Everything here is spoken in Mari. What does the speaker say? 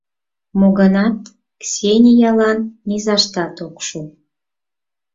Мо гынат Ксениялан низаштат ок шу.